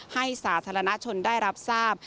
สาธารณชนได้รับทราบ